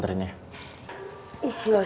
tak memerlukan kau